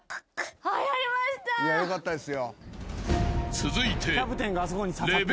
［続いて］